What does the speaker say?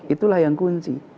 itulah yang kunci